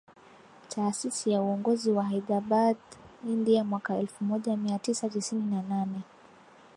Taasisi ya Uongozi ya Hyderabad India mwaka elfu moja mia tisa tisini na nane